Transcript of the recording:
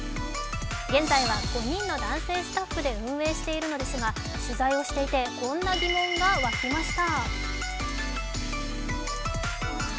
現在は５人の男性スタッフで運営しているのですが取材をしていてこんな疑問がわきました。